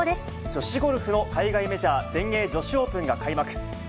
女子ゴルフの海外メジャー、全英女子オープンが開幕。